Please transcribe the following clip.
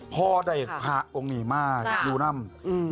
พอได้พาองค์นี้มาอยู่นั่ง